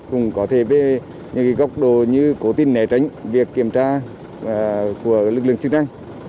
cũng có thể về những góc độ như cố tình né tránh việc kiểm tra của lực lượng chức năng